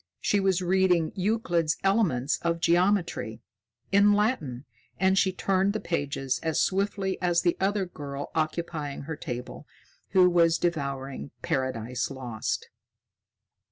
She was reading "Euclid's Elements of Geometry," in Latin, and she turned the pages as swiftly as the other girl occupying her table, who was devouring "Paradise Lost."